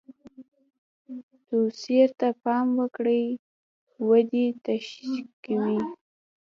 توصیو ته پام وکړو ودې تشویقوي.